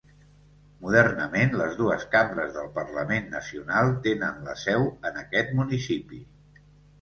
Modernament, les dues cambres del parlament nacional tenen la seu en aquest municipi.